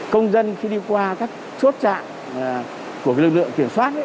công dân khi đi qua các chốt trạng của lực lượng kiểm soát